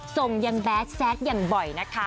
ส่งยังแบดแซคอย่างบ่อยนะคะ